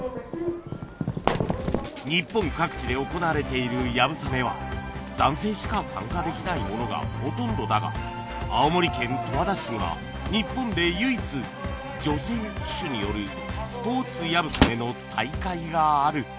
日本各地で行われている流鏑馬は男性しか参加できないものがほとんどだが青森県十和田市には日本で唯一女性騎手によるスポーツ流鏑馬の大会がある